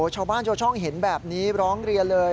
ชาวบ้านชาวช่องเห็นแบบนี้ร้องเรียนเลย